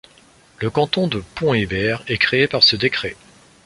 Le canton de Pont-Hébert est créé par ce décret.